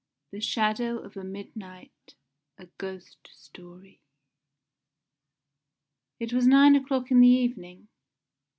THE SHADOW OF A MIDNIGHT A GHOST STORY It was nine o'clock in the evening.